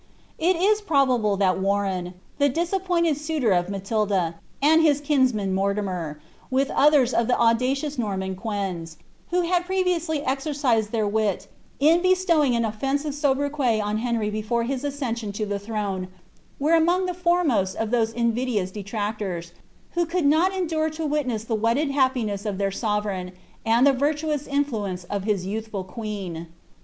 ''* It is probable that Warren, the disappointed suitor of Ma tdda, and his kinsman Mortimer, with others of the audacious Norman quens^ who had previously exercised their wit in bestowing an offensive Mobriquet on Henry before his accession to the throne, were among the foremost of those invidious detractors, who could not endure to wimess the wedded happiness of their sovereign, and the virtuous influence of his youthful queen.